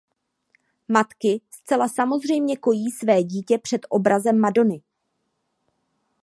Matky zcela samozřejmě kojí své dítě před obrazem Madony.